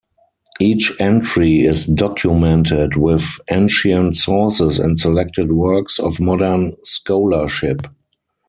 Each entry is documented with ancient sources and selected works of modern scholarship.